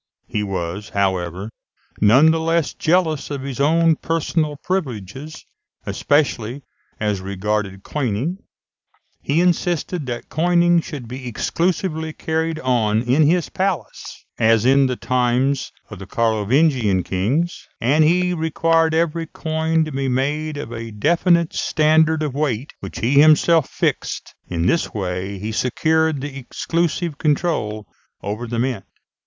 He was, however, none the less jealous of his own personal privileges, especially as regarded coining (Figs. 263 to 270). He insisted that coining should be exclusively carried on in his palace, as in the times of the Carlovingian kings, and he required every coin to be made of a definite standard of weight, which he himself fixed. In this way he secured the exclusive control over the mint.